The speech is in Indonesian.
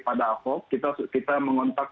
pada ahok kita mengontak